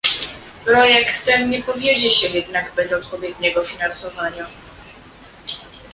Projekt ten nie powiedzie się jednak bez odpowiedniego finansowania